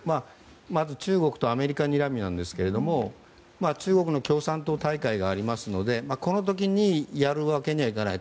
まず中国とアメリカにらみなんですけども中国の共産党大会がありますのでこの時にやるわけにはいかない。